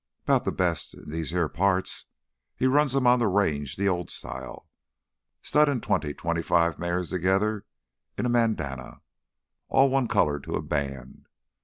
"'Bout th' best in these here parts. He runs 'em on th' Range th' old style—stud an' twenty—twenty five mares together in a manada, all one color to a band.